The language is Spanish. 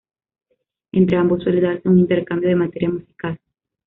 Entre ambos suele darse un intercambio de material musical.